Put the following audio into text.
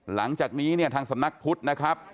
หลังจากนี้เนี่ยทางสำนักพุทธนะครับ